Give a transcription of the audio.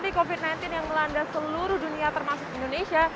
kota pertama sisi pandemi covid sembilan belas yang melanda seluruh dunia termasuk indonesia